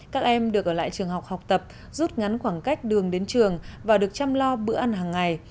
các em được ở lại trường học học tập rút ngắn khoảng cách đường đến trường và được chăm lo bữa ăn hàng ngày